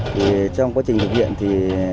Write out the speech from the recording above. thì trong quá trình thực hiện thì